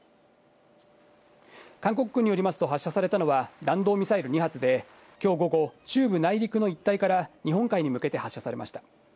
韓国軍によりますと、発射されたのは弾道ミサイル２発で、きょう午後、中部内陸の一帯から日本海に向けて発射されました。